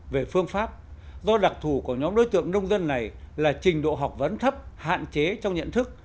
về phương pháp do đặc thù của nhóm đối tượng nông dân này là trình độ học vấn thấp hạn chế trong nhận thức